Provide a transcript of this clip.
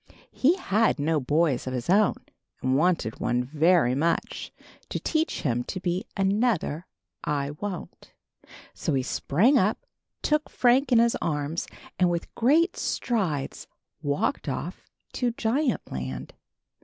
He had no boys of his own, and wanted one very much, to teach him to be another I Won't. So he sprang up, took Frank in his arms, and with great strides walked off to Giant Land.